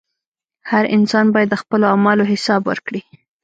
• هر انسان باید د خپلو اعمالو حساب ورکړي.